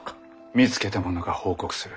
見つけた者が報告する。